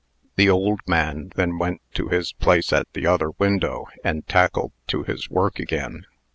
The old man then went to his place at the other window, and tackled to his work again.